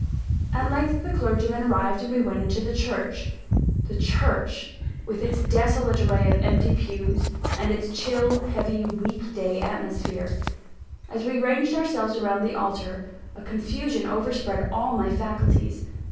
At length the clergyman arrived, and we went into the church the church, with its desolate array of empty pews, and its chill, heavy, week day atmosphere. As we ranged ourselves round the altar, a confusion overspread all my faculties.